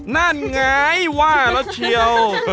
นั่นไงว่าแล้วเชียว